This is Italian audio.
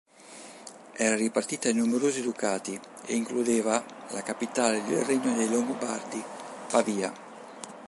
Era ripartita in numerosi ducati e includeva la capitale del regno dei Longobardi, Pavia.